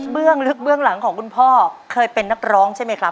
ลึกเบื้องหลังของคุณพ่อเคยเป็นนักร้องใช่ไหมครับ